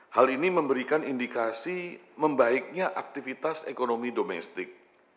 hal ini memberikan indikasi membaiknya aktivitas ekonomi domestik